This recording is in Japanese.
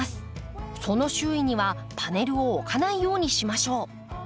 その周囲にはパネルを置かないようにしましょう。